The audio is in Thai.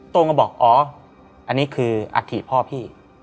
้งก็บอกอ๋ออันนี้คืออัฐิพ่อพี่